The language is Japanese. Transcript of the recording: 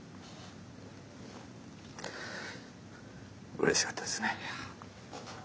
うれしかったですね。